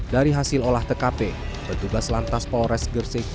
dari hasil olah tkp bertugas lantas polres gresik